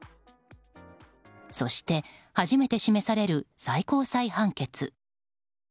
そして、初めて示される最高裁判決。